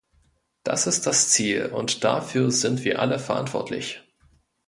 Das ist das Ziel, und dafür sind wir alle verantwortlich.